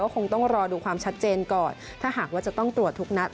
คงต้องรอดูความชัดเจนก่อนถ้าหากว่าจะต้องตรวจทุกนัด